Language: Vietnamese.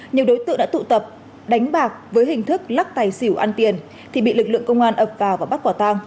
nhiều đối tượng đã tụ tập đánh bạc với hình thức lắc tài xỉu ăn tiền thì bị lực lượng công an ập vào và bắt quả tang